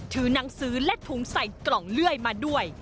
หนังสือและถุงใส่กล่องเลื่อยมาด้วย